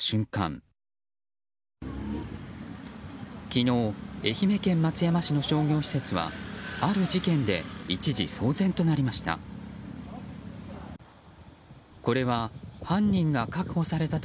昨日、愛媛県松山市の商業施設はある事件で一時騒然となりました。